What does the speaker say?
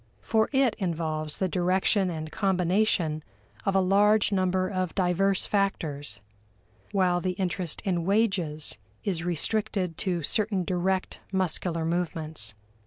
For it involves the direction and combination of a large number of diverse factors, while the interest in wages is restricted to certain direct muscular movements.